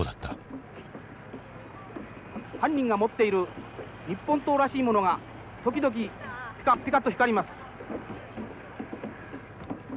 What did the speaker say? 「犯人が持っている日本刀らしいものが時々ピカピカと光ります」。